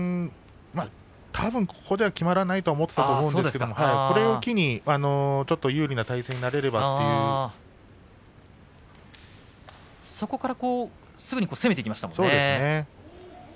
たぶんここではきまらないと思っていたと思うんですけどこれを機にちょっと有利な体勢になれればとそこからそうですね。